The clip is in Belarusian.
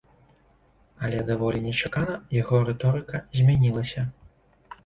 Але даволі нечакана яго рыторыка змянілася.